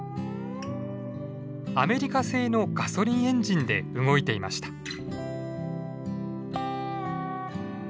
アメリカ製のガソリンエンジンで動いていました。